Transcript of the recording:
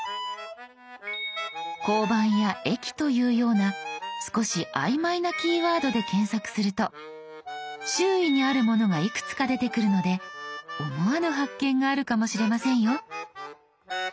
「交番」や「駅」というような少し曖昧なキーワードで検索すると周囲にあるものがいくつか出てくるので思わぬ発見があるかもしれませんよ。